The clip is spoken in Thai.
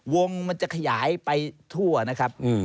วงมันจะขยายไปทั่วนะครับ